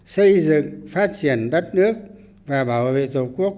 xây dựng phát triển đất nước và bảo vệ tổ quốc